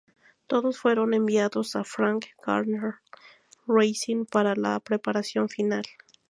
Todos fueron enviados a Frank Gardner Racing para la preparación final.